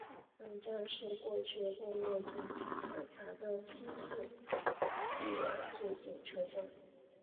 本站是过去宫内厅管辖的新宿御苑最近车站。